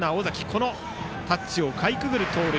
このタッチをかいくぐる盗塁。